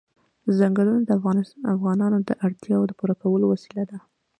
چنګلونه د افغانانو د اړتیاوو د پوره کولو وسیله ده.